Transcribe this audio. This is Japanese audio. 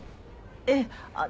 ええあっ